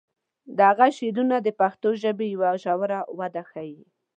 د هغه شعرونه د پښتو ژبې یوه ژوره وده ښیي.